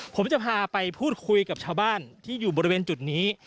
ผมจะพาไปพูดคุยกับชาวบ้านที่อยู่บริเวณจุดนี้